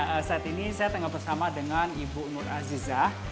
ya saat ini saya tengah bersama dengan ibu nur azizah